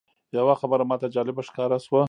یوه خبره ماته جالبه ښکاره شوه.